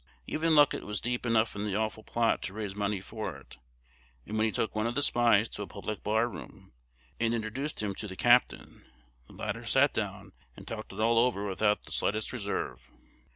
Even Luckett was deep enough in the awful plot to raise money for it; and when he took one of the spies to a public bar room, and introduced him to the "captain," the latter sat down and talked it all over without the slightest reserve.